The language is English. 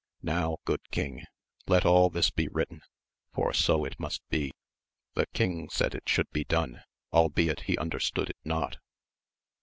Now, good king, let all this be written, for so it must be. The king said it should be done, albeit he understood it not.